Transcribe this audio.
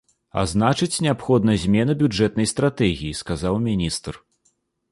А значыць, неабходна змена бюджэтнай стратэгіі, сказаў міністр.